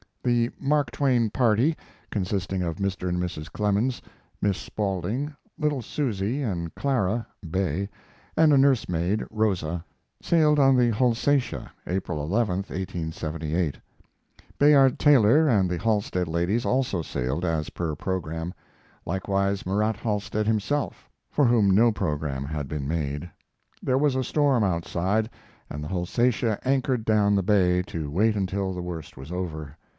The "Mark Twain" party, consisting of Mr. and Mrs. Clemens, Miss Spaulding, little Susy and Clara ("Bay"), and a nurse maid, Rosa, sailed on the Holsatia, April 11, 1878. Bayard Taylor and the Halstead ladies also sailed, as per program; likewise Murat Halstead himself, for whom no program had been made. There was a storm outside, and the Holsatia anchored down the bay to wait until the worst was over.